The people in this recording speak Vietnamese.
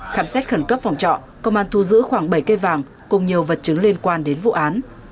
khám xét khẩn cấp phòng trọ công an thu giữ khoảng bảy cây vàng cùng nhiều vật chứng liên quan đến vụ án